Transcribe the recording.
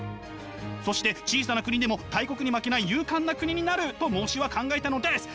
そして小さな国でも大国に負けない勇敢な国になると孟子は考えたのです。